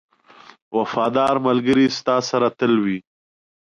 • وفادار ملګری ستا سره تل وي.